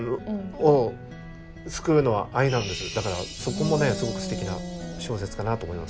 そこもねすごくすてきな小説かなと思います。